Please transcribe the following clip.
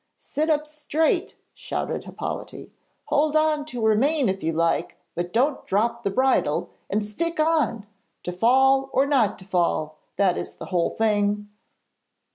'Sit up straight,' shouted Hippolyte. 'Hold on to her mane if you like, but don't drop the bridle, and stick on. To fall or not to fall that is the whole thing.'